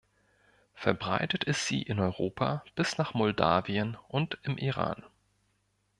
Verbreitet ist sie in Europa bis nach Moldawien und im Iran.